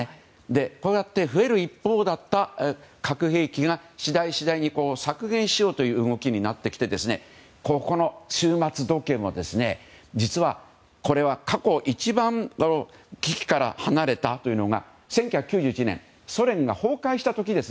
こうして増える一方だった核兵器が、次第に削減しようという動きになってここの終末時計も実はこれは過去一番危機から離れたというのが１９９１年、ソ連が崩壊した時。